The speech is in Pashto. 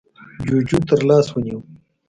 جُوجُو تر لاس ونيو: